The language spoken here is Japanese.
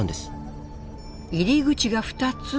入り口が２つ？